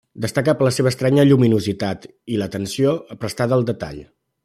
Destaca per la seva estranya lluminositat i l'atenció prestada al detall.